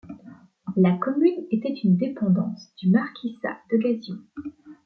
La commune était une dépendance du marquisat de Gassion.